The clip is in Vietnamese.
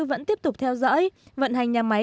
vẫn tiếp tục theo dõi vận hành nhà máy